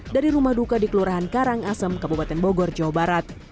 dari rumah duka di kelurahan karangasem kabupaten bogor jawa barat